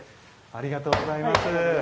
ありがとうございます。